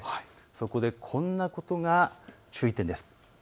そこで、こんなことが注意点です。